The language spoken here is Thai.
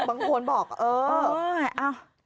บางคนบอกเออ